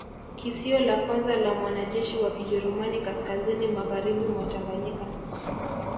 Kisio la kwanza la mwanajeshi wa Kijerumani kaskazini magharibi mwa Tanganyika